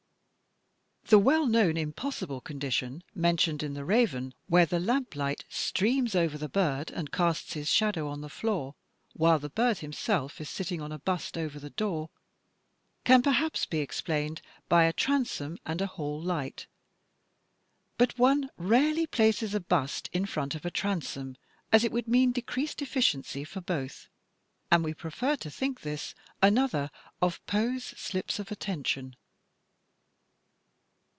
The well known impossible condition mentioned in "The Raven," where the lamp light streams over the bird and casts his shadow on the floor, while the bird himself is sitting on a bust over the door, can perhaps be explained by a transom and a hall light. But one rarely places a bust in front of a transom, as it would mean decreased eflSciency for both, and we prefer to think this another of Poe's slips of atten tion.